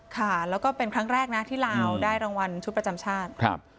ค่ะแล้วก็เป็นครั้งแรกนะที่ลาวได้รางวัลชุดประจำชาติครับ